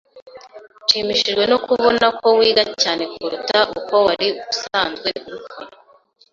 Nshimishijwe no kubona ko wiga cyane kuruta uko wari usanzwe ubikora.